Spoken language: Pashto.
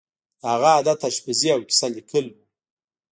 د هغه عادت آشپزي او کیسه لیکل وو